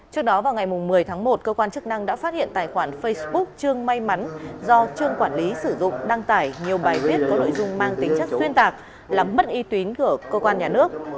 trước đó vào ngày một mươi tháng một cơ quan chức năng đã phát hiện tài khoản facebook trương may mắn do trương quản lý sử dụng đăng tải nhiều bài viết có nội dung mang tính chất xuyên tạc làm mất uy tín của cơ quan nhà nước